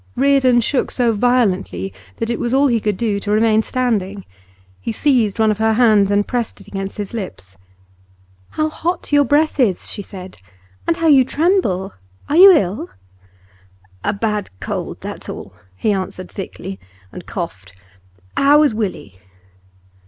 Reardon shook so violently that it was all he could do to remain standing; he seized one of her hands, and pressed it against his lips. 'How hot your breath is!' she said. 'And how you tremble! Are you ill?' 'A bad cold, that's all,' he answered thickly, and coughed. 'How is Willie?